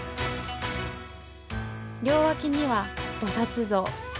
両脇には菩薩像。